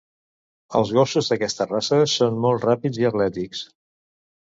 Els gossos d'aquesta raça són molt ràpids i atlètics.